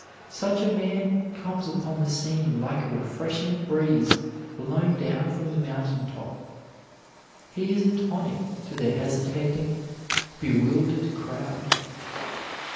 Such a man comes upon the scene like a refreshing breeze blown down from the mountain top. He is a tonic to the hesitating, bewildered crowd.